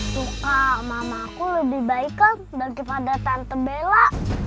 tuh kak mama aku lebih baik kan daripada tante bella